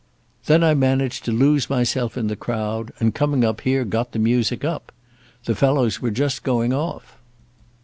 Then I managed to lose myself in the crowd, and coming up here got the music up. The fellows were just going off.